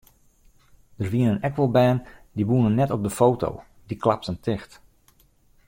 Der wienen ek wol bern dy woenen net op de foto, dy klapten ticht.